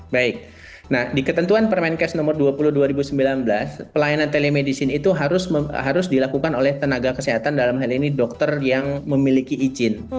baik nah di ketentuan permenkes nomor dua puluh dua ribu sembilan belas pelayanan telemedicine itu harus dilakukan oleh tenaga kesehatan dalam hal ini dokter yang memiliki izin